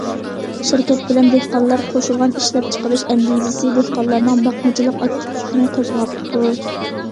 شىركەت بىلەن دېھقانلار قوشۇلغان ئىشلەپچىقىرىش ئەندىزىسى دېھقانلارنىڭ باقمىچىلىق ئاكتىپلىقىنى قوزغاپتۇ.